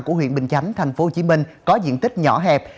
của huyện bình chánh tp hcm có diện tích nhỏ hẹp